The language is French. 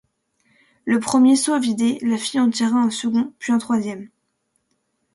Le premier seau vidé, la fille en tira un second, puis un troisième.